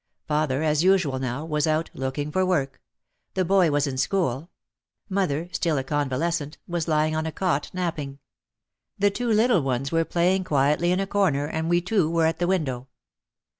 Father, as usual now, was out "looking for work"; the boy was in school; mother, still a convalescent, was lying on a cot napping; the two little ones were playing quietly in a corner, and we two were at the window.